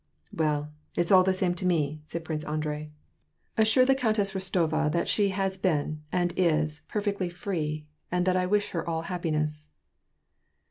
"Well, it's all the same to me," said Prince Andrei. "As WAR AND PEACE. 889 sure the Countess Rostova that she has been, and is, perfectly Tree, and that I wish her all happiness."